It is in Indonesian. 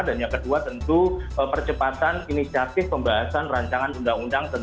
dan yang kedua tentu percepatan inisiatif pembahasan rancangan undang undang tersebut